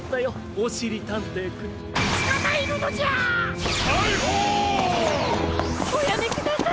おやめください！